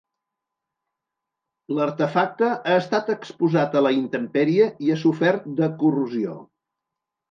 L'artefacte ha estat exposat a la intempèrie i ha sofert de corrosió.